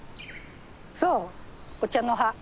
そうお茶の葉。